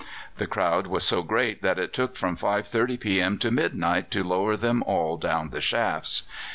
The crowd was so great that it took from 5.30 p.m. to midnight to lower them all down the shafts.